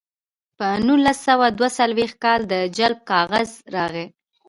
په نولس سوه دوه څلویښت کال د جلب کاغذ راغی